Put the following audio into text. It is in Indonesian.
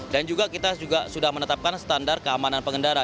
dan juga kita sudah menetapkan standar keamanan pengendara